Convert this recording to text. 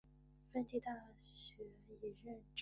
蒂芬大学已获得认证。